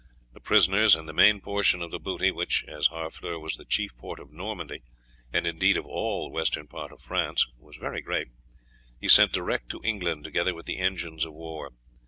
The prisoners and the main portion of the booty which, as Harfleur was the chief port of Normandy, and indeed of all the western part of France, was very great he sent direct to England, together with the engines of war.